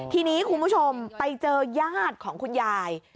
ทีนี้คุณผู้ชมไปเจอญาติของคุณยาย